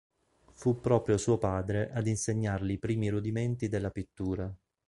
Fu proprio suo padre ad insegnargli i primi rudimenti della pittura.